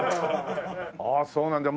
ああそうなんだ。